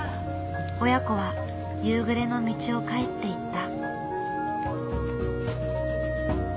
親子は夕暮れの道を帰っていった。